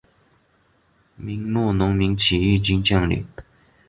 明末农民起义军将领。